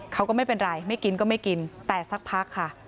เขาก็ไม่เป็นไรไม่กินก็ไม่กินแต่สักพักค่ะ